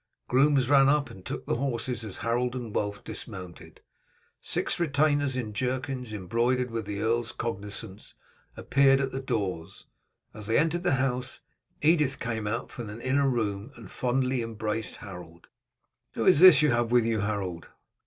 Grooms ran up and took the horses as Harold and Wulf dismounted. Six retainers in jerkins embroidered with the earl's cognizance appeared at the doors. As they entered the house, Edith came out from an inner room and fondly embraced Harold. "Who is this you have with you, Harold?"